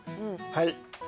はい。